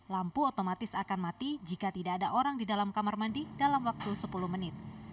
lampu otomatis akan mati jika tidak ada orang di dalam kamar mandi dalam waktu sepuluh menit